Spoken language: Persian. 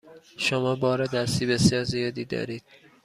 شما بار دستی بسیار زیادی دارید.